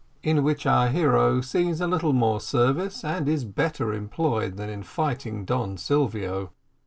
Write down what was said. IN WHICH OUR HERO SEES A LITTLE MORE SERVICE, AND IS BETTER EMPLOYED THAN IN FIGHTING DON SILVIO.